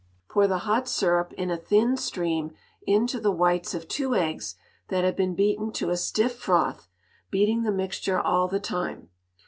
Pour the hot syrup in a thin stream into the whites of two eggs that have been beaten to a stiff froth, beating the mixture all the time.